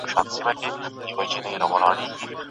رنګیلا پخپله تاج نادر ته ورکړ